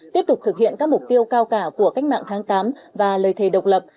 tiếp tục thực hiện các mục tiêu cao cả của cách mạng tháng tám và lời thề độc lập